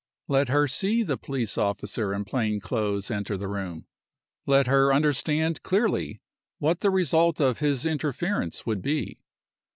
Let her see the police officer in plain clothes enter the room. Let her understand clearly what the result of his interference would be.